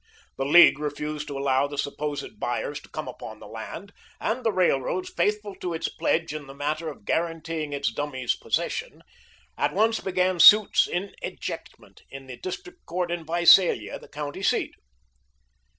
The League refused to allow the supposed buyers to come upon the land, and the Railroad, faithful to its pledge in the matter of guaranteeing its dummies possession, at once began suits in ejectment in the district court in Visalia, the county seat.